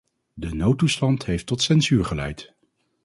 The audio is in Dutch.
De noodtoestand heeft tot censuur geleid.